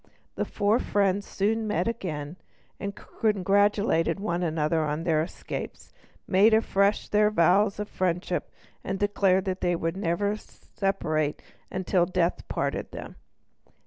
The four friends soon met together again, congratulated one another on their escapes, made afresh their vows of friendship, and declared that they would never separate until death parted them.